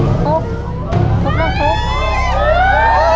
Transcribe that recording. ของหมอประจำของเรา